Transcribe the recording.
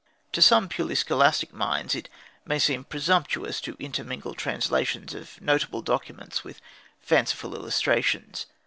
To some purely scholastic minds it may seem presumptuous to intermingle translations of notable documents with fanciful illustrations.